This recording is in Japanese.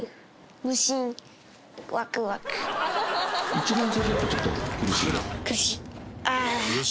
一番最初はちょっと苦しいの？